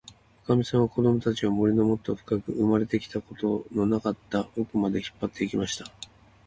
おかみさんは、こどもたちを、森のもっともっとふかく、生まれてまだ来たことのなかったおくまで、引っぱって行きました。